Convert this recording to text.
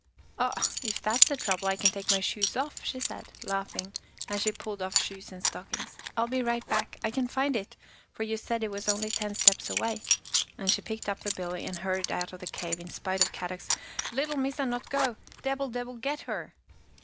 " Oh, if that's the trouble I can take my shoes off," she said, laughing, as she pulled off shoes and stockings. " I will be right back. I can find it, for you said it was only ten steps away," and she picked up the billy and hurried out of the cave in spite of Kadok's " Little Missa not go. Debil debil get her!